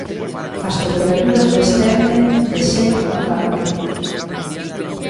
As temperaturas descenden de xeito notable.